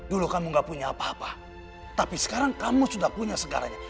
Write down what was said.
dulu kamu gak punya apa apa tapi sekarang kamu sudah punya segalanya